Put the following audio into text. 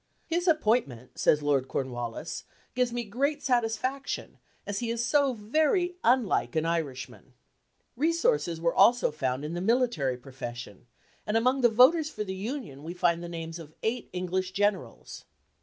"His appointment," says Lord Cornwallis, "gives me great satisfaction, as he is so very unlike an Irishman!" Resources were also found in the military profession, and among the voters for the Union we find the names of eight English generals.